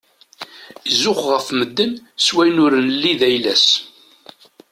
Izux ɣef madden s wayen ur nelli d ayla-s.